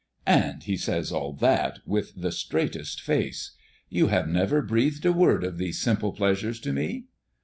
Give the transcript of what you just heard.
"And he says all that with the straightest face! You have never breathed a word of these simple pleasures to me."